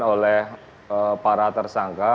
oleh para tersangka